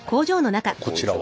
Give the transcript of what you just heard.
こちらは？